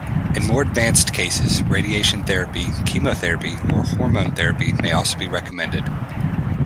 In more advanced cases, radiation therapy, chemotherapy or hormone therapy may also be recommended.